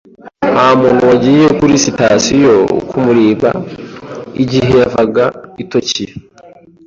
Nta muntu wagiye kuri sitasiyo kumureba igihe yavaga i Tokiyo.